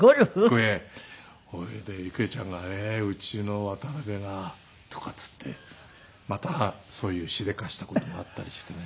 それで郁恵ちゃんが「ええーうちの渡辺が」とかって言ってまたそういうしでかした事もあったりしてね